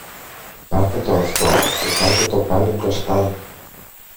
πάρτε το αυτό και βάλτε το πάλι μπροστά